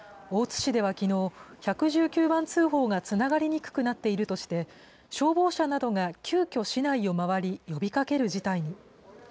大津市ではきのう、１１９番通報がつながりにくくなっているとして、消防車などが急きょ、市内を回り、呼びかける事態に。